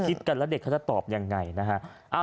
คิดกันแล้วเด็กเขาจะตอบยังไงนะฮะ